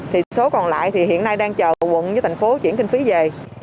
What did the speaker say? sáu mươi năm thì số còn lại thì hiện nay đang chờ quận với thành phố chuyển kinh phí về